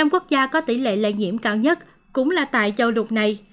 năm quốc gia có tỷ lệ lây nhiễm cao nhất cũng là tại châu lục này